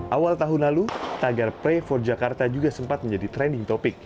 awal tahun lalu tagar pray for jakarta juga sempat menjadi topik trending